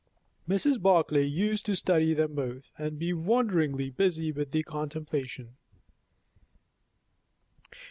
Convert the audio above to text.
Mrs. Barclay used to study them both, and be wonderingly busy with the contemplation.